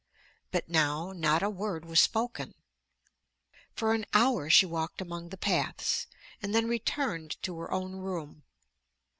But now not a word was spoken. For an hour she walked among the paths, and then returned to her own room.